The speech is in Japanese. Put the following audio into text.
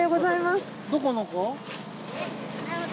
・どこの子？